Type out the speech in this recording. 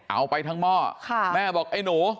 เอาไปทั้งหม้อแม่บอกไอ้หนู